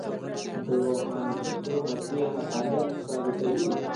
د روښانفکرو مسیر حقانیت ثابتوي.